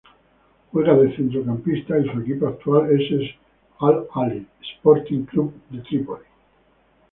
Juega de centrocampista y su equipo actual es el Al-Ahly Sporting Club Trípoli.